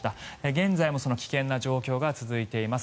現在も危険な状態が続いています。